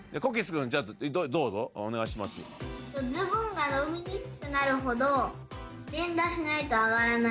ズボンが伸びにくくなるほど連打しないと上がらない。